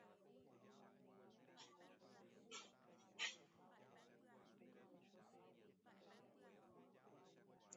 Cherehénteramo ikatu jagueru, ág̃akatu che ru ndoipotamo'ãi.